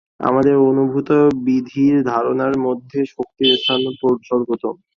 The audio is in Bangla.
আমাদের অনুভূত বিবিধ ধারণার মধ্যে শক্তির স্থান সর্বপ্রথম।